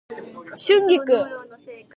春菊